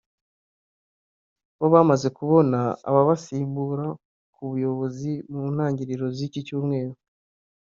bo bamaze kubona ababasimbura ku buyobozi mu ntangiriro z’iki cyumweru